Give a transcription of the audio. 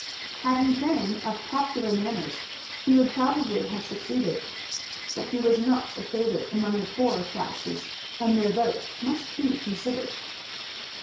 Had he been of popular manners, he would probably have succeeded, but he was not a favorite among the poorer classes, and their vote must be considered.